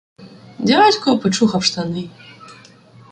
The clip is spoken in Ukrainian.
Дядько почухав штани.